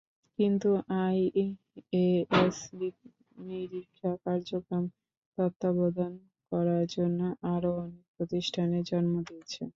কিন্তু আইএএসবি নিরীক্ষা কার্যক্রম তত্ত্বাবধান করার জন্য আরও অনেক প্রতিষ্ঠানের জন্ম দিয়েছে।